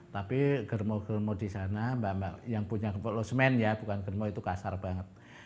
tapi germo germo di sana yang punya kepolosmen ya bukan germo itu kasar banget